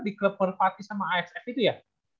di klub pervati sama asf itu ya